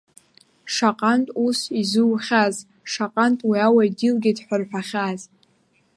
Шаҟантә ус изиухьаз, шаҟантә уи ауаҩ дилгеит ҳәа рҳәахьаз…